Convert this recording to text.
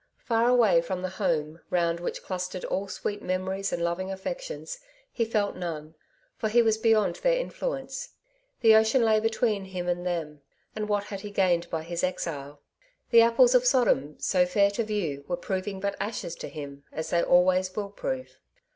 Far away from the home round which clustered all sweet memories and loving affections, he felt none, for he was beyond their influence. The ocean lay between him and them ; and what had he gained by his exile ? The apples of Sodom, so fair to view, were proving but ashes to him, as they always will prove.